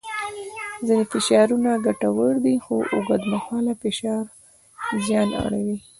ځینې فشارونه ګټور دي خو اوږدمهاله فشار زیان اړوي.